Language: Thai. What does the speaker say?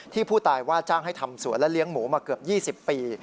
ผู้ตายว่าจ้างให้ทำสวนและเลี้ยงหมูมาเกือบ๒๐ปี